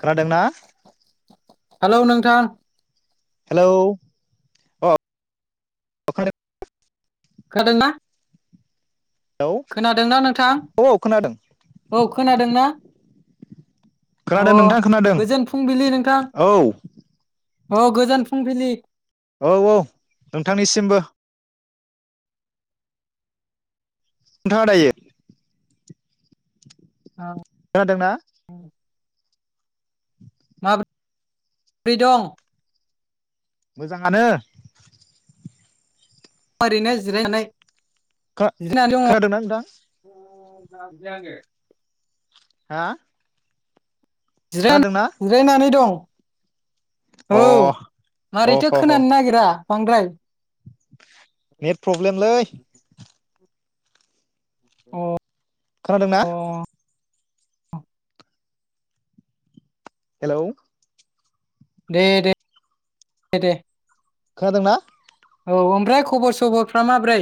खोनादों ना हेलौ नोंथां हेलौ अ [unintelligible] खोनादोंना हेलौ खोनादोंना नोंथां औ खोनादोंना अ खोनादों नोंथां खोनादों गोजोन औ। औ गोजान फुंबिलि औ औ नोंथांनिसिमबो नोंथाङा दायो औ खोनादोंना? माब्रै दं? मोजाङानो ओरैनो जिरायनानै खोना जिरायनानै दङ खोनादोंना नोंथां [unintelligible] हा जिराय खोनादोंना जिरायनानै दं औ अ अ मारैथो ह ह खोनानो नागिरा बांद्राय नेट प्रब्लेमलै अ खोनादोंना हेलौ दे दे दे दे खोनादोंना औ ओमफ्राय खबर सबरफ्रा माब्रै?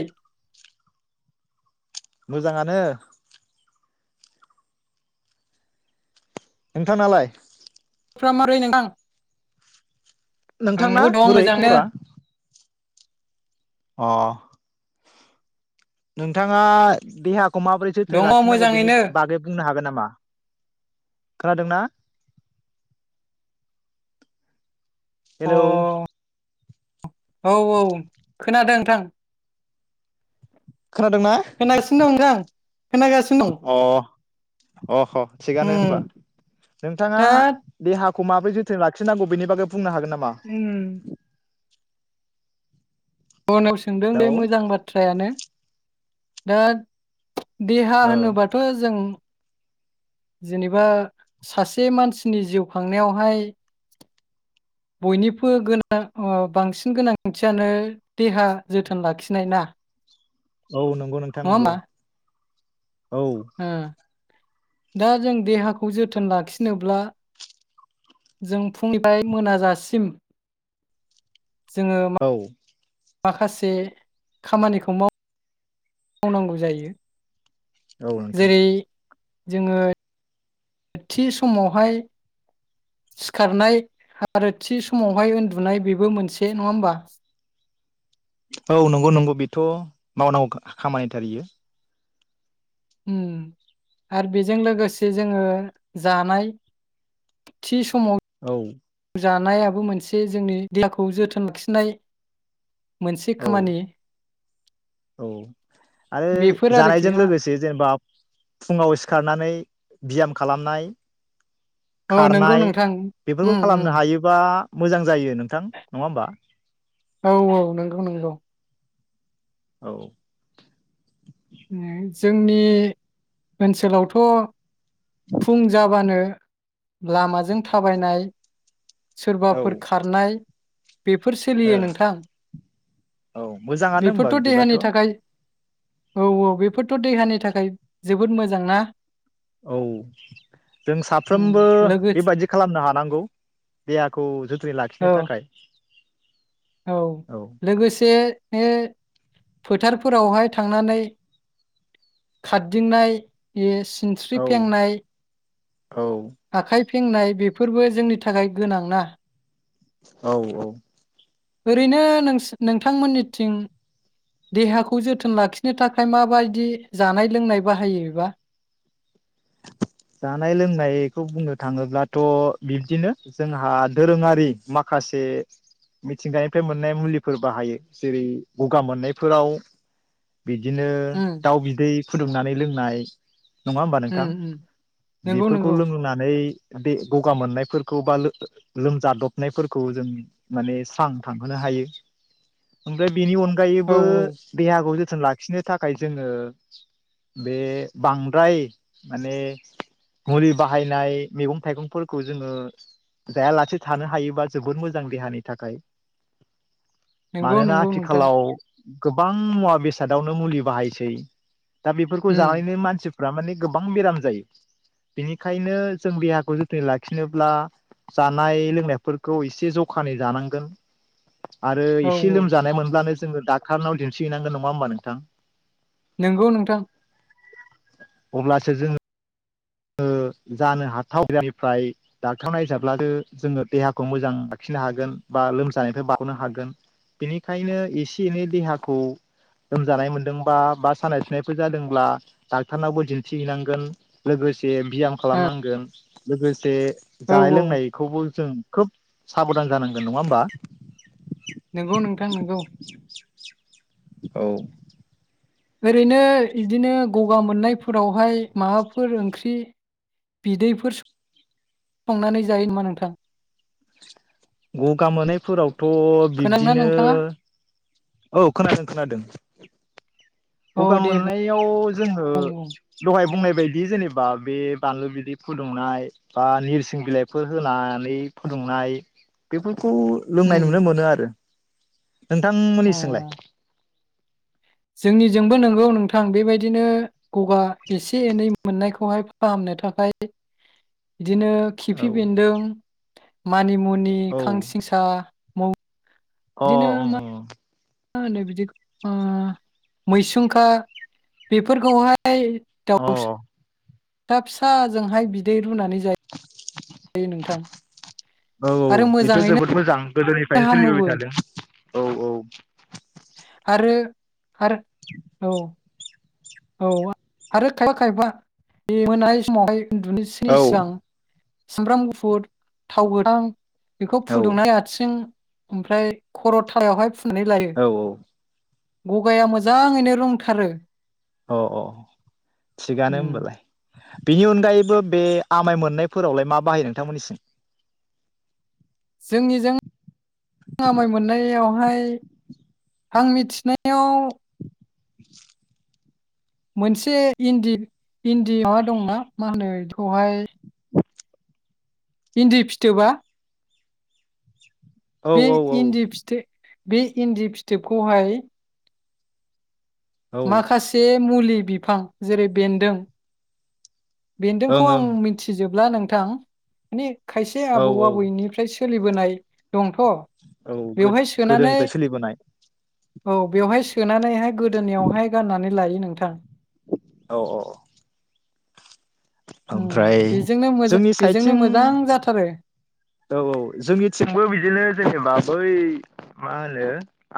मोजाङानो नोंथांना लाय फ्रा मारै नोंथां नोंथांना आंबो दं बोरै मोजांनो खबरा? अ नोंथाङा देहा खौ माबोरै जोथोन दङ लािनांगौ बेनि मोजाङैनो बागै बुं हागोन नामा? मा खोनादों ना? अ हेलौ औ औ खोनादों नोंथां खोनादोंना खोनागासिनो दं नोंथां खोनागासिनो दं। अ अह ह। थिगानो उम होमबा नोंथाङा दा देहाख माबोरै जोथोन लाखिनांगौ बेनि बागै बुंनो हागोन नामा? उम उनाव सोंदों दे हेलौ मोजां बाथ्रायानो दोद देहा औ होनोबाथ जों। जेनेबा सासे मानसिनि जिउ खांनायावहाय बयनिबो गोनां बांसिन गोनांथियानो देहा जोथोन लाखिनाय ना औ नंगौ नोंथां नङा नंगौ। होमबा औ ओ दा जों देहाखौ जोथोन लाखिनोब्ला जों फुंनिफ्राय मोनाजासिम जोङो मा औ माखासे खामानिखौ माव मावनांगौ जायो औ नोंथां जेरै जोङो थि समावहाय सिखारनाय आरो थि समावहाय उन्दुनाय बेबो मोनसे नङा होमबा औ नंगौ नंगौ बेथ मावनांगौ खामानिथारयो म आरो बेजों लोगोसे जोङो जानाय थि समाव औ जानायाबो मोनसे जोंनि देहाखौ जोथोन लाखिनाय मोनसे औ खामानि औ आरो बेफोर आरोखि जानायजों लोगोसे जेनेबा फुङाव सिखारनानै बियाम खालामनाय औ नंगौ खारनाय नोंथां बेफोरखौ उम उम खालामनो हायोबा मोजां जायो नोंथां नङा होमबा औ औ नंगौ नंगौ औ जोंनि ओनसोलावथ फुं जाबानो लामाजों थाबायनाय औ सोरबाफोर खारनाय बेफोर ओ सोलियो नोंथां औ मोजाङानो होमबा बेफोरथ देहानि बिदिबाथ' थाखाय औ औ बेफोरथ देहानि थाखाय जोबोद मोजां ना औ जों उम साफ्रोमबो लोगोस बेबादि खालामनो हानांगौ देहाखौ जोथोनै औ लाखिनो थाखाय औ लोगोसे बे फोथारफोरावहाय थांनानै खारदिंनाय सिनस्रि औ फेंनाय औ आखाइ फेंनाय बेफोरबो जोंनि थाखाय गोनांना औ औ ओरैनो नों नोंथांमोननिथिं देहाखौ जोथोन लाखिनो थाखाय माबायदि जानाय लोंनाय बाहायोबा जानाय लोंनायखौ बुंनो थाङोब्लाथ बिब्दिनो जोंहा दोरोङारि माखासे मिथिंगानिफ्राय मोननाय मुलिफोर बाहायो जेरै गगा मोननायफोराव बिदिनो उम दाउ बिदै फुदुंनानै लोंनाय नंङा थां उम उम नंगौ बेफोरखौ नंगौ लोंनानै बे गगा मोननायफोरखौ बा लोग लोमजादबनायफोरखौ जों माने स्रां थांहोनो हायो ओमफ्राय बेनि औ अनगायैबो देहाखौ जो थोन लाखिनो थाखाय जोङो बे बांद्राय माने मुलि बाहायनाय मैगं थाइगंफोरखौ जोङो जायालासे थानो हायोबा जोबोद मोजां देहानि थाखाय। नंगौ मानोना नंगौ नोंथां आथिखालाव गोबां मुवा बेसादावनो मुलि बाहायसै। दा बेफोरखौ उम जानानैनो मानसि प्रामानिक गोबां बेराम जायो बेनिखायनो जों देहाखौ जोथोनै लाखिनोब्ला जानाय लोंनायफोरखौ एसे जखानि जानांगोन। आरो औ एसे लोमजानाय मोनब्लानो जोङो डक्टारनाव दिन्थिहैनांगोन नङा होमबा नोंथां। नोंगौ नोंथां। अब्लासो जोङो ओ जानो हाथाव [inaudible] डाक्टारनाव नायजाब्लासो जोङो देहाखौ मोजां लाखिनो हागोन बा लोमजानायनिफ्राय बागनो हागोन बेनिखायनो एसे एनै देहाखौ लोमजानाय मोनदोंबा बा सानाय सुनायफोर जादोंब्ला डक्टरनावबो दिन्थिहैनांगोन लोगोसे बियाम खालामनांगोन। लोगोसे ओ जानाय औ औ लोंनायखौबो जों खोब साबधान जानांगोन नङा होमबा। नोंगौ नोंथां नोंगौ। औ। ओरैनो इदिनो गगा मोननायफोरावहाय माबाफोर ओंख्रि बिदैफोर स [inaudible] सनानै जायो नामा नोंथां। गगा मोननायफोरावथ खोनादोंना बिब्दिनो नोंथाङा? औ खोनादों खोनादों। औ गगा दे बुं मोननायाव जोङो बुं बुं दहाय बुंनाय बेबायदि जेनेबा बे बानलु बिदै फुदुंनाय बा नोरसिं बिलाइफोर होनानै फुदुंनाय बेफोर खौ उम लोंनाय नुनो मोनो आरो। नोंथांमोननि अ चिंलाय? जोंनिजोंबो नोंगौ नोंथां बेबायदिनो गगा एसे एनै मोननायखौहाय फाहामनो थाखाय दिनो औ खिफि बेन्दों मानिमु नि औ खांसिंसा मौ अ बिदिनो ओं ओं। मा होनो बिदि आ मैसुंखा बेफोरखौहाय अ [unintelligible] औ दा फिसाजोंहाय बिदै रुनानै जायो नोंथां औ औ। आरो बेथ मोजाङैनो जोबोद मोजां गोदोनिफायनो सोलिबोबाय हामोबो। थादों। औ औ आरो आरो औ औ आरो खायफा खायफा बे मोनाय समावहाय उन्दुनोसोनि औ सिगां सामब्राम गुफुर थाव गोथां बेखौ औ फुदुंना लाथिजों ओमफ्राय खर थावाहाय फु नानै लायो औ गगाया मोजाङैनो रोंथारो अ अ थिगानो होमबालाय बेनि अनगायैबो बे आमाय मोननायफोरावलाय मा बाहायो नोंथांमोननिसिम जोंनिजों आमाय मोननायावहाय आं मिथिनायाव [inaudible] मोनसे इन्दि इन्दि माबा दंना मा होनो बेखौहाय भिन्दि फिथोबा औ बे औ औ इन्दि फिथो बे इन्दि फिथोबखौहाय माखासे मुलि बिफां जेरै बेन्दों ओं बेन्दोंखौ आं ओं मिथिजोब ब्ला नोंथां माने खायसे औ आबौ औ आबौनिफ्राय सोलिब बोनाय औ गो गोदोनिफ्राय सोलिबोनाय औ बेवहाय सोनानै हाय गोदोनायावहाय गाननानै लायो ना नोंथां औ औ औ औ बेजोंनो मोजा जोंनि बेजोंनो साइडथिं मोजां जाथारो औ औ जोंनिथिंबो बिदिनो जेनेबा बै मा होनो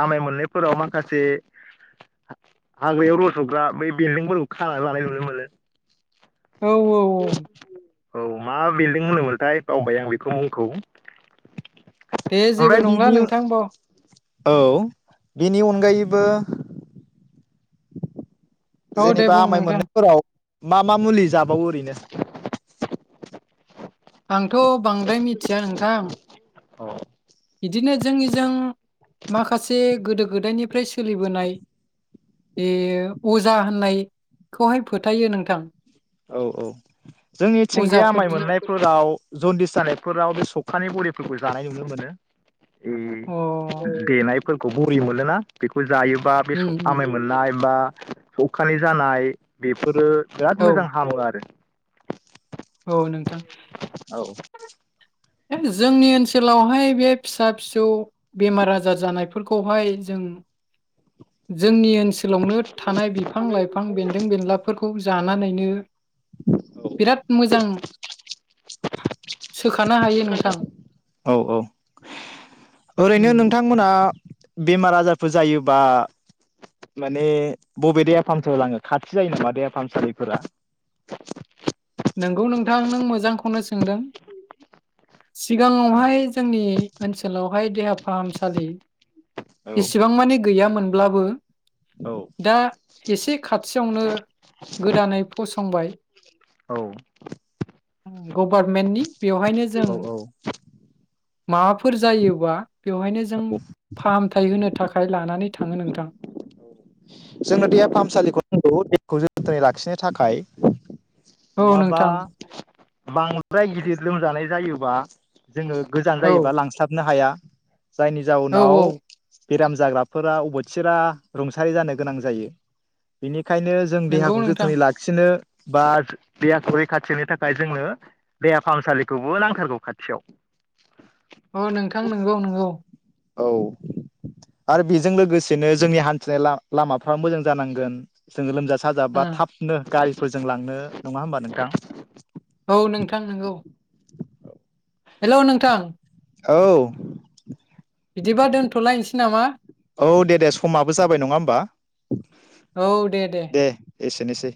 आमाय मोननायफोराव माखासे हाग्रायाव रजग्रा बै बिन्दोंफोरखौ खानानै लानाय नुनो मोनो औ औ औ बेल्दों होनदोंमोनथाय बावबाय आं बे खौ मुंखौ [inaudible] दे जेबो ओमफ्राय नंला बिनि नोंथां द औ बेनि अनगायैबो औ दे जेनेबा बुं आमाय नोंथां मोननायफोराव मा मा मुलि जाबावो ओरैनो [inaudible] आंथ बांद्राय मिथिया नोंथां। औ। बिदिनो जोंनिजों माखासे गोदो गोदायनिफ्राय सोलिबोनाय बेयो अजा होननायखौहाय फोथायो नोंथां। औ औ जोंनिथिं बे आमाय अजाफोरजों मोननायफोराव जन्दिस जानायफोराव बे सख खानि बरिफोरखौ जानाय नुनो मोनो। उम अ देनाय फोरखौ बरि मोनोना बेखौ जायोबा बे उम उम आमाइ मोननाय बा सखानि जानाय बेफोरो जि औ मोजां हामो आरो औ नोंथां औ जोंनि ओनसोलावहाय बे फिसा-फिसौ बेमार-आजार जानायफोरखौहाय जों जोंनि ओन सोलावनो थानाय बिफां-लाइफां बेन्दों-बेनलाफोरखौ जानानैनो बिराद मोजां [inaudible] सो खानो हायो नोंथां। औ औ उम ओरैनो नोंथांमोनहा बेमार आजारफोर जायोबा माने बबे देहा फाहामसालि लाङो खाथि जायो नामा देहा फाहामसालिफोरा? नोंगौ नोंथां नों मोजांखौनो सोंदों सिगाङावहाय औ जोंनि ओनसोलावहाय देहा फाहामसालि [inaudible] एसेबां मानि गैयामोनब्लाबो औ दा एसे खाथियावनो गोदानै फसंबाय। औ गबारमेननि बेवहायनो जों औ माबाफोर जायोबा बेवहायनो जों औ फाहामथाय होनो थाखाय लानानै थाङो नोंथां। जोंनो देहा फाहामसालिखौ नांगौ देहाखौ जोथोनै लाखिनो थाखाय। औ नङाबा नोंथां बांद्राय गिदिर लोमजानाय जायोबा जोङो गोजान औ जायोबा लांस्लाबनो हाया। जायनि औ जाउनाव बेराम जाग्राफोरा अबथिरा रुंसारि जानो गोनां जायो। बेनि खायनो जों नंगौ देहाखौ नोंथां जोथोनै लाखिनो बाथ देहाखौ रैखाथिनि थाखाय जोंनो देहा फाहामसालिखौबो नांथारगौ खाथियाव। अ नोंथां नंगौ नंगौ। औ आरो बेजों लोगोसेनो जोंनि हान्थिनाय ला लामाफ्रा मोजां जानांगोन जोङो लोमजा सा ओ साजाबा थाबनो गारि फोजोंलांनो नङा होमबा नोंथां औ नोंथां नोंगौ हेलौ नोंथां औ बिदिबा दोनथ'लायनोसै नामा औ दे दे समाबो जाबाय नङा होमबा दे एसेनोसै